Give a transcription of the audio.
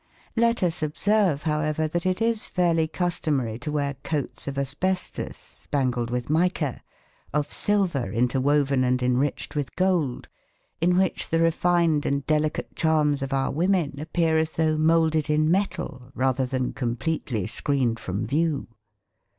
Let us observe, however, that it is fairly customary to wear coats of asbestos spangled with mica, of silver interwoven and enriched with gold, in which the refined and delicate charms of our women appear as though moulded in metal, rather than completely screened from view.